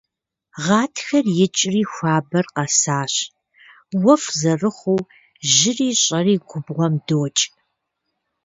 Гъатхэр икӏри хуабэр къэсащ, уэфӏ зэрыхъуу жьыри щӏэри губгъуэм докӏ.